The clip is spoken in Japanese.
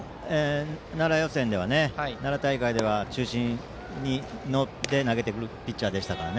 奈良大会では中心で投げてくるピッチャーでしたから。